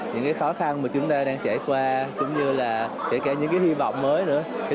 những khó khăn mà chúng ta đang trải qua cũng như là kể cả những hy vọng mới nữa